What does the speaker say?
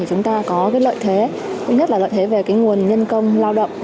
chúng ta có cái lợi thế nhất là lợi thế về nguồn nhân công lao động